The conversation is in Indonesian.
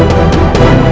aku mau pergi